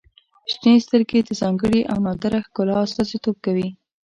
• شنې سترګې د ځانګړي او نادره ښکلا استازیتوب کوي.